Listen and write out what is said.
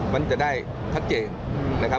มันจะได้ชัดเจนนะครับ